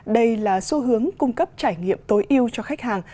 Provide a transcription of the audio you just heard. đây là xu hướng cung cấp trải nghiệm tối yêu cho khách hàng